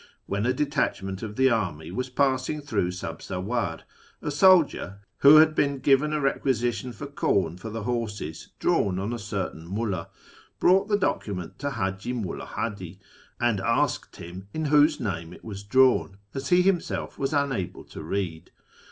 When a detachment of the army was passing through Sabzawar, a soldier, who had been given a requisition for corn for the horses drawn on a certain mullet, brought the document to Hiiji Mulla Htidi and asked him in whose name it was drawn, as he himself was unable to read.